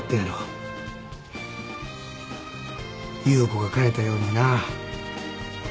優子が変えたようにな。